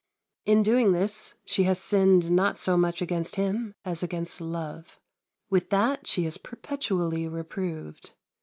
In doing this she has sinned not so much against him as against Love. With that she is perpetually reproved.